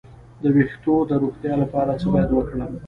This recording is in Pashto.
د ویښتو د روغتیا لپاره باید څه وکړم؟